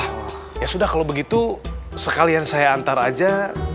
ah ya sudah kalau begitu sekalian saya antar aja satria juga bisa bawa sofi ya